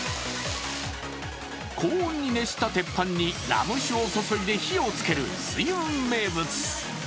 高温に熱した鉄板にラム酒を注いで火をつける翠雲名物。